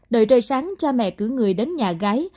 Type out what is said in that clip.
đợi trời sáng cha mẹ cử người đến nhà gái